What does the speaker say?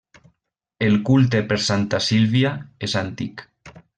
El culte per Santa Sílvia és antic.